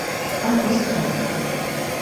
August auf.